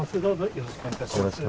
よろしくお願いします。